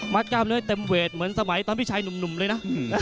กล้ามเนื้อเต็มเวทเหมือนสมัยตอนพี่ชายหนุ่มเลยนะ